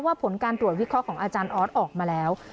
ผลการตรวจวิเคราะห์ของอาจารย์ออสออกมาแล้ว